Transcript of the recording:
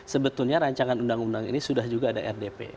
sebetulnya rancangan undang undang ini sudah juga ada rdp